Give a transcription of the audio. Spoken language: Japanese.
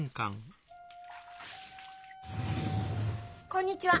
こんにちは。